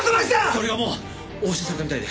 それがもう押収されたみたいで。